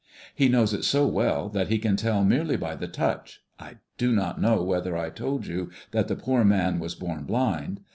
He knows it so well that he can tell merely by the touch I do not know whether I told you that the poor man was born blind.